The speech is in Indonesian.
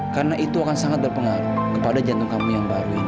karena itu akan sangat berpengaruh kepada jantung kamu yang baru ini